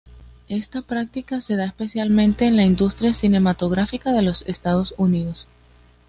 Esta práctica se da especialmente en la industria cinematográfica de los Estados Unidos.